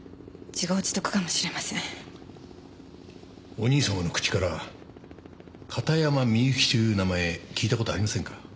お兄様の口から片山みゆきという名前聞いた事ありませんか？